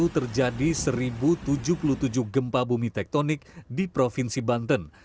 terjadi satu tujuh puluh tujuh gempa bumi tektonik di provinsi banten